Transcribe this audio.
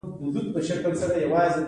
چي ته را په ياد سوې.